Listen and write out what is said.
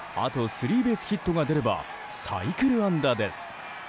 スリーベースヒットが出ればサイクル安打です。